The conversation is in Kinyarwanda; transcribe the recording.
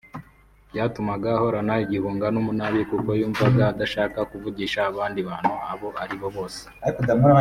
Byatumaga ahorana igihunga n’umunabi kuko yumvaga adashaka kuvugisha abandi bantu abo ari bo bose